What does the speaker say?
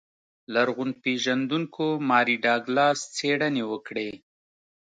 لرغون پېژندونکو ماري ډاګلاس څېړنې وکړې.